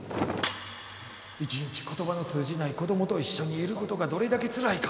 １日ことばの通じない子どもと一緒にいることがどれだけつらいか。